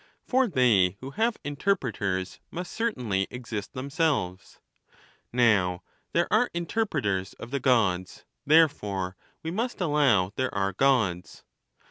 For they who have interpvetevs must certainly exist themselves; now, there are interpreters of the Gods; therefore we must allow there are Gods.